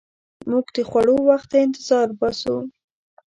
موږ د خوړو وخت ته انتظار باسو.